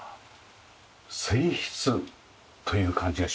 静謐という感じがします。